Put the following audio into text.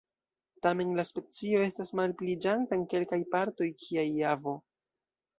Tamen la specio estas malpliiĝanta en kelkaj partoj kiaj Javo.